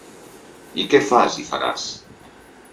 I què fas i faràs?